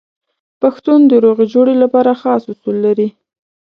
پښتون د روغې جوړې لپاره خاص اصول لري.